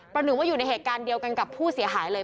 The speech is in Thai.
หนึ่งว่าอยู่ในเหตุการณ์เดียวกันกับผู้เสียหายเลย